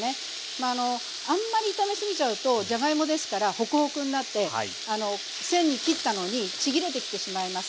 まああんまり炒めすぎちゃうとじゃがいもですからホクホクになって繊維切ったのにちぎれてきてしまいます。